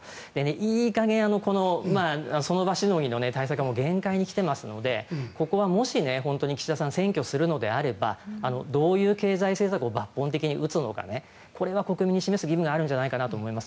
いい加減、その場しのぎの対策も限界に来ていますのでここはもし、本当に岸田さんは選挙をするのであればどういう経済政策を抜本的に打つのかこれが国民に示す義務なんじゃないかと思います。